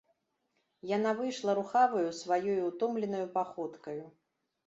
Яна выйшла рухаваю сваёю ўтомленаю паходкаю.